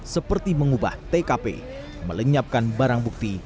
seperti mengubah tkp melenyapkan barang bukti